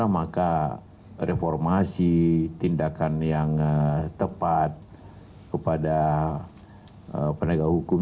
maka reformasi tindakan yang tepat kepada penegak hukum